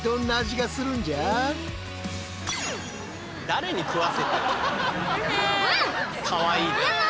誰に食わせてる！